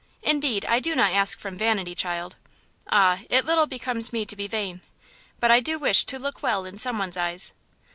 Indeed I do not ask from vanity, child? Ah, it little becomes me to be vain; but I do wish to look well in some one's eyes."